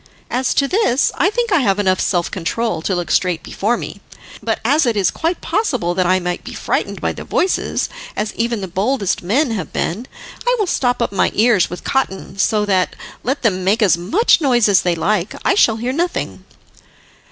As to this, I think I have enough self control to look straight before me; but as it is quite possible that I might be frightened by the voices, as even the boldest men have been, I will stop up my ears with cotton, so that, let them make as much noise as they like, I shall hear nothing."